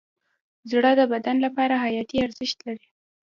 زړه د بدن لپاره حیاتي ارزښت لري.